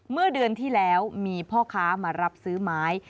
เมื่อเดือนที่แล้วมีพ่อค้ามารับซื้อไม้